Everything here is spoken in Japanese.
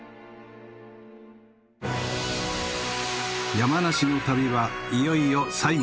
山梨の旅はいよいよ最後。